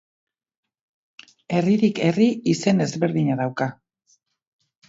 Herririk herri izen ezberdina dauka.